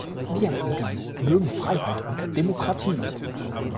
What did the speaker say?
Wir in Ungarn mögen Freiheit und Demokratie.